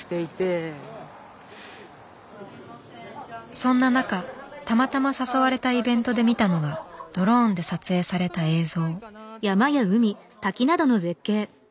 そんな中たまたま誘われたイベントで見たのがドローンで撮影された映像。